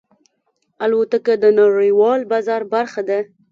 الوتکه د نړیوال بازار برخه ده.